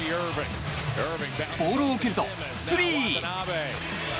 ボールを受けると、スリー！